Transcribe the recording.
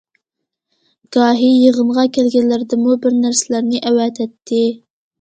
گاھى يىغىنغا كەلگەنلەردىنمۇ بىرنەرسىلەرنى ئەۋەتەتتى.